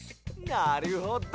なるほど！